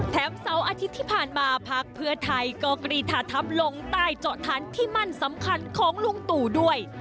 เสาร์อาทิตย์ที่ผ่านมาพักเพื่อไทยก็กรีธาทัพลงใต้เจาะฐานที่มั่นสำคัญของลุงตู่ด้วย